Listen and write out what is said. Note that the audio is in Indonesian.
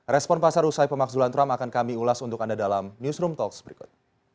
respon pasar usai pemakzulan trump akan kami ulas untuk anda dalam newsroom talks berikut